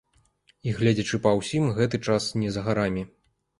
І, гледзячы па ўсім, гэты час не за гарамі.